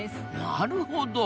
なるほど。